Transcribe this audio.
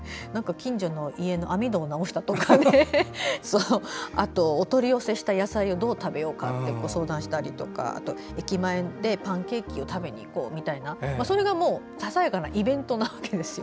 近所の家の網戸を直したとかあとはお取り寄せした野菜をどう食べようかと相談したりとか駅前でパンケーキを食べに行こうみたいなそれが、ささやかなイベントなわけです。